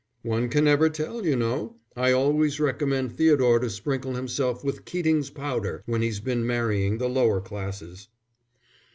"One can never tell, you know. I always recommend Theodore to sprinkle himself with Keating's Powder when he's been marrying the lower classes."